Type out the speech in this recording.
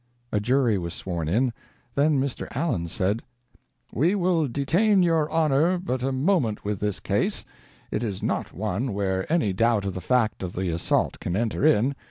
A jury was sworn in; then Mr. Allen said: "We will detain your honor but a moment with this case. It is not one where any doubt of the fact of the assault can enter in.